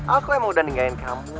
aku yang mau ninggain kamu